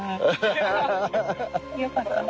よかったね。